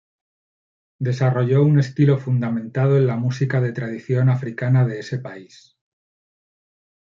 Desarrolló un estilo fundamentado en la música de tradición africana de ese país.